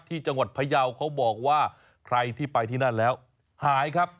ที่จังหวัดพยาวเขาบอกว่าใครที่ไปที่นั่นแล้วหายครับ